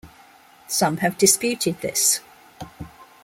Some have disputed this.